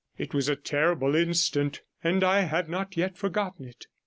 It was a terrible instant, and I have not yet forgotten it.